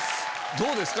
どうですか？